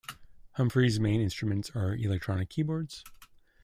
Humphreys' main instruments are electronic keyboards.